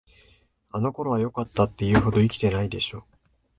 あの頃はよかった、って言うほど生きてないでしょ。